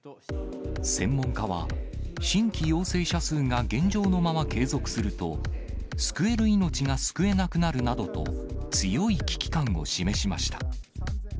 専門家は、新規陽性者数が現状のまま継続すると、救える命が救えなくなるなどと、強い危機感を示しました。